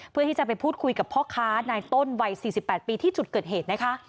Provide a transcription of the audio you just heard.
เพื่อที่จะไปพูดคุยกับพ่อค้านายต้นวัย๔๘ปีที่จุดเกิดเหตุนะคะ